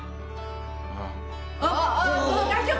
ああああ大丈夫？